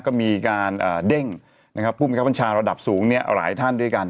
ก็มีการเด้งผู้บังคับบัญชาระดับสูงหลายท่านด้วยกัน